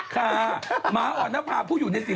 ก็แต่งงานกับนักงานไง